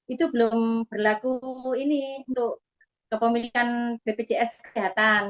itu belum berlaku ini untuk kepemilikan bpjs kesehatan